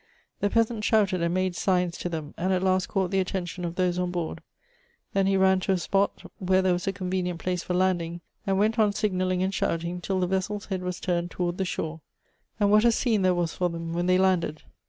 The peasant shouted and made signs to them, and at last caught the attention of those on board ; then he ran to a spot where there was a convenient place for landing, and went on signalling and shouting till the vessel's head was turned toward the shore ; and what a scene there was for them when they landed.